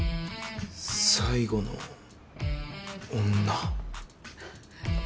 最後の女。